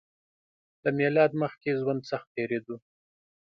له میلاد مخکې ژوند سخت تېریدو